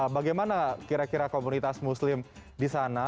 bagaimana kira kira komunitas muslim di sana